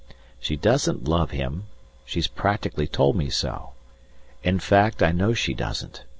She doesn't love him, she's practically told me so. In fact, I know she doesn't.